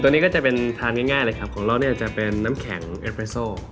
นี้ก็จะเป็นทานง่ายเลยครับของเราเนี่ยจะเป็นน้ำแข็งเอฟเรโซ